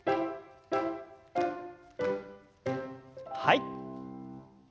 はい。